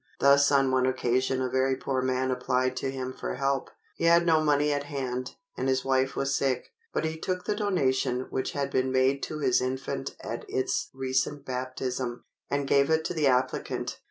Thus on one occasion a very poor man applied to him for help. He had no money at hand, and his wife was sick; but he took the donation which had been made to his infant at its recent baptism, and gave it to the applicant.